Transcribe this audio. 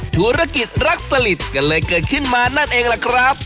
ธุรกิจรักสลิดก็เลยเกิดขึ้นมานั่นเองล่ะครับ